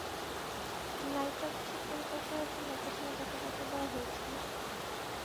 নায়িকার পোশাক-পরিকল্পনার জন্য প্রথমে তাকে দায়িত্ব দেওয়া হয়েছিল।